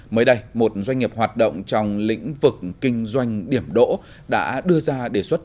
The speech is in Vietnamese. mới đây một doanh nghiệp hoạt động trong lĩnh vực kinh doanh điểm đỗ đã đưa ra đề xuất